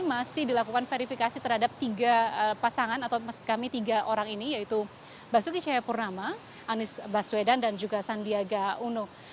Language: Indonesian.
masih dilakukan verifikasi terhadap tiga pasangan atau maksud kami tiga orang ini yaitu basuki cahayapurnama anies baswedan dan juga sandiaga uno